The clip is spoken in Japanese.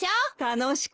楽しくね。